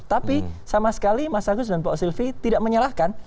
tapi sama sekali mas agus dan pak silvi tidak menyalahkan